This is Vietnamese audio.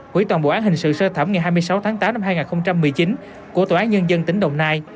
quỹ toàn bộ án hình sự sơ thẩm ngày hai mươi sáu tháng tám năm hai nghìn một mươi chín của tòa án nhân dân tỉnh đồng nai